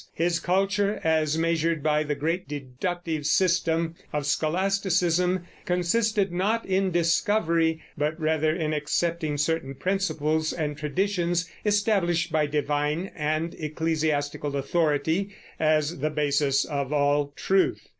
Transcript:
His culture as measured by the great deductive system of Scholasticism consisted not in discovery, but rather in accepting certain principles and traditions established by divine and ecclesiastical authority as the basis of all truth.